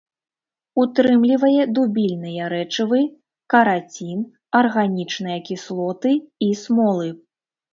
Утрымлівае дубільныя рэчывы, карацін, арганічныя кіслоты і смолы.